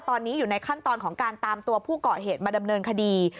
ตอนนี้อยู่ในขั้นตอนของการตามตัวผู้เกาะเหตุมาดำเนินคดี